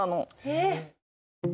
えっ！